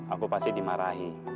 aku pasti dimarahi